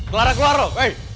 clara keluar loh